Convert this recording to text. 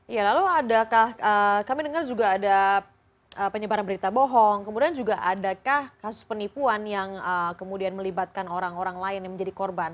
ya lalu adakah kami dengar juga ada penyebaran berita bohong kemudian juga adakah kasus penipuan yang kemudian melibatkan orang orang lain yang menjadi korban